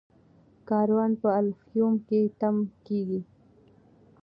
کاروان په الفیوم کې تم کیږي.